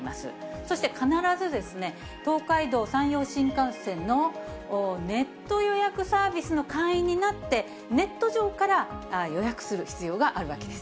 そして必ず東海道・山陽新幹線のネット予約サービスの会員になって、ネット上から予約する必要があるわけです。